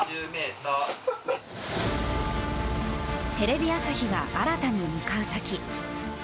テレビ朝日が新たに向かう先